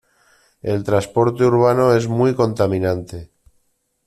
El transporte urbano es muy contaminante.